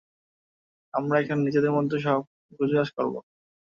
আমরা এখন নিজেদের মতো সব গোছগাছ করব!